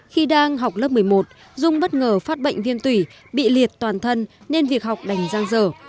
khi đang học lớp một mươi một dung bất ngờ phát bệnh viêm tủy bị liệt toàn thân nên việc học đành giang dở